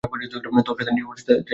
তোর সাথে new year উপভোগ করতে এসেছি!